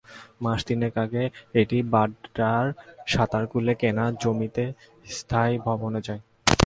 মাস তিনেক আগে এটি বাড্ডার সাতারকুলে কেনা জমিতে স্থায়ী ভবনে যায়।